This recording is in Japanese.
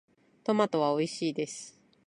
トマトはおいしいです。